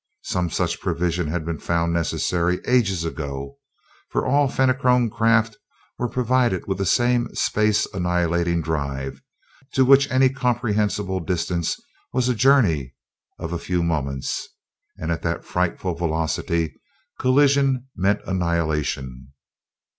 Some such provision had been found necessary ages ago, for all Fenachrone craft were provided with the same space annihilating drive, to which any comprehensible distance was but a journey of a few moments, and at that frightful velocity collision meant annihilation.